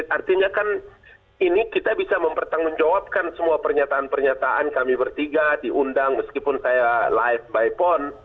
artinya kan ini kita bisa mempertanggungjawabkan semua pernyataan pernyataan kami bertiga diundang meskipun saya live by phone